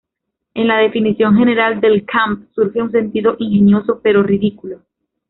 En la definición general del "camp" surge un sentido ingenioso, pero ridículo.